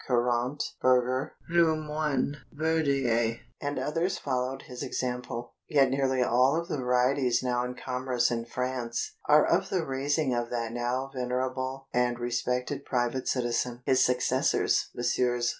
Courant, Berger, Lamoine, Verdier and others followed his example, yet nearly all of the varieties now in commerce in France, are of the raising of that now venerable and respected private citizen. His successors, Messrs.